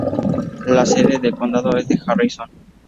La sede de condado es Harrison.